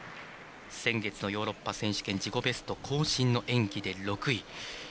先月のヨーロッパ選手権自己ベスト更新の演技で６位。